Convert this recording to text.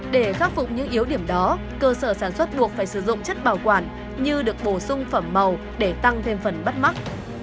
để khắc phục những yếu điểm đó cơ sở sản xuất buộc phải sử dụng chất bảo quản như được bổ sung phẩm màu để tăng thêm phần bắt mắt